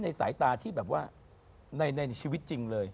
สายตาที่แบบว่าในชีวิตจริงเลย